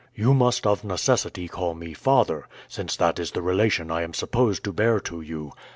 You must of necessity call me father, since that is the relation I am supposed to bear to you.